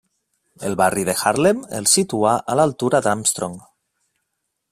El barri de Harlem el situà a l'altura d'Armstrong.